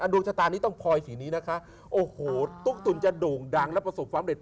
ดวงชะตานี้ต้องพลอยสีนี้นะคะโอ้โหตุ๊กตุ๋นจะโด่งดังและประสบความเร็จ